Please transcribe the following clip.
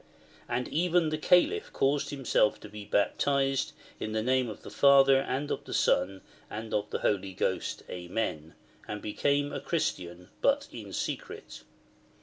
And even the Calif caused himself to be baptised in the name of the Father and of the Son and of the Holy Ghost, Amen, and became a Christian, but in secret.